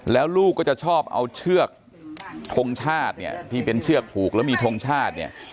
แล้วลูกก็จะชอบเอาเชือกทงชาติเนี่ยที่เป็นเชือกผูกแล้วมีทงชาติเนี่ย